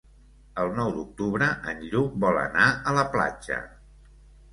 El nou d'octubre en Lluc vol anar a la platja.